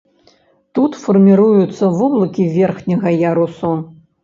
Тут фарміруюцца воблакі верхняга ярусу.